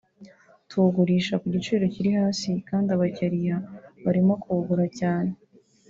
tuwugurisha ku giciro kiri hasi kandi abakiriya barimo kuwugura cyane